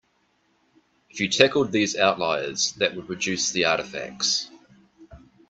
If you tackled these outliers that would reduce the artifacts.